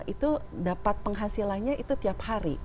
itu dapat penghasilannya itu tiap hari